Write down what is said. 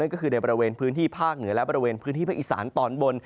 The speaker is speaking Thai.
ก็คือในบริเวณพื้นที่ภาคเหนือและบริเวณพื้นที่ภาคอีสานตอนบน